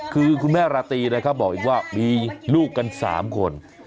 คือคุณแม่ราตรีนะครับบอกอีกว่ามีลูกกัน๓คน